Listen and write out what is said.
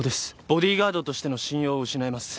ボディーガードとしての信用を失います。